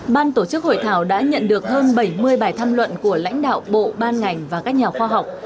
ban tổ chức hội thảo đã nhận được hơn bảy mươi bài tham luận của lãnh đạo bộ ban ngành và các nhà khoa học